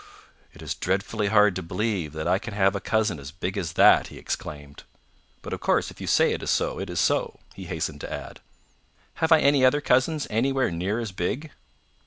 "It is dreadfully hard to believe that I can have a cousin as big as that," he exclaimed. "But of course if you say it is so, it is so," he hastened to add. "Have I any other cousins anywhere near as big?"